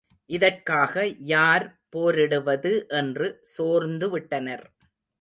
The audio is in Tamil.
இதற்காக யார் போரிடுவது என்று சோர்ந்துவிட்டனர்.